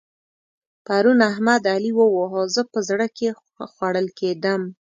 پرون احمد؛ علي وواهه. زه په زړه کې خوړل کېدم.